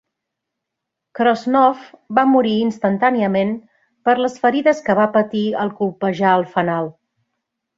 Krosnoff va morir instantàniament per les ferides que va patir al colpejar el fanal.